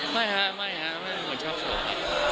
ไม่ครับไม่ครับผมจะชอบโชว์